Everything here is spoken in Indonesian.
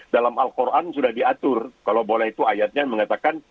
dalam al quran sudah diatur kalau boleh itu ayatnya mengatakan